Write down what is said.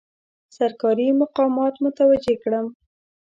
سرکاري مقامات متوجه کړم.